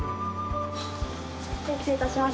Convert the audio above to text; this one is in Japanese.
失礼いたします。